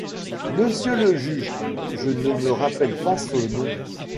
Monsieur le juge, je ne me rappelle pas ce nom.